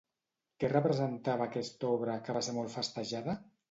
Què representava aquesta obra, que va ser molt festejada?